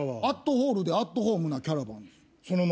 アットホールで、アットホームなキャラバンです。